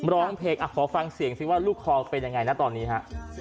ร้องเพลงขอฟังเสียงสิว่าลูกคอเป็นยังไงนะตอนนี้ฮะ